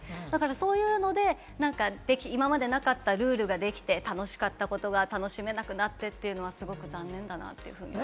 そういうので、今までなかったルールができて、楽しかったことが楽しめなくなってというのは残念だなと思います。